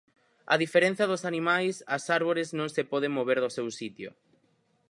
A diferenza dos animais, as árbores non se poden mover do seu sitio.